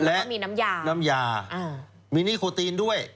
แล้วก็มีน้ำยามีนิโคตีนด้วย